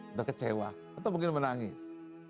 atau kecewa atau mungkin menangis